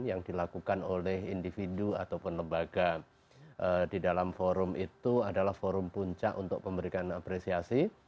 yang dilakukan oleh individu ataupun lembaga di dalam forum itu adalah forum puncak untuk memberikan apresiasi